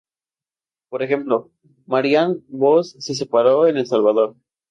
Por ejemplo, Marianne Vos se preparó en El Salvador.